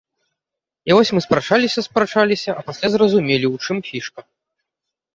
І вось мы спрачаліся спрачаліся, а пасля зразумелі, у чым фішка.